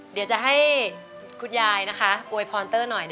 เดี๋ยวจะให้คุณยายนะคะอวยพรเตอร์หน่อย